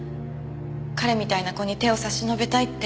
彼みたいな子に手を差し伸べたいって。